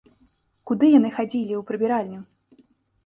Куды яны хадзілі ў прыбіральню?